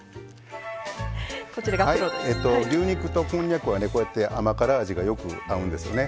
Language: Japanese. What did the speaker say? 牛肉とこんにゃくは甘辛味がよく合うんですよね。